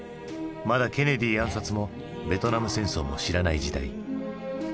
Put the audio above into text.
まだケネディ暗殺もベトナム戦争も知らない時代。